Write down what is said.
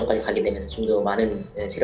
bagaimana perjuangan anda